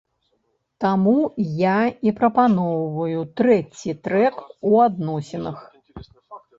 Таму я і прапаноўваю трэці трэк у адносінах.